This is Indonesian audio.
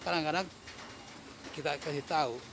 kadang kadang kita kasih tahu